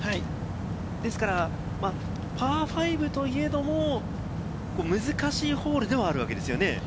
ですからパー５といえども難しいホールではあるわけですよね。